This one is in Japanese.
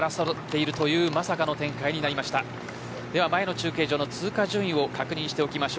前の中継所の通過順位を確認します。